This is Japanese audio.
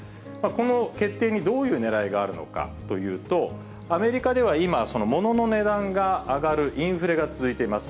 この決定にどういうねらいがあるのかというと、アメリカでは今、ものの値段が上がるインフレが続いています。